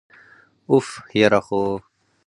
أف، یره خو!!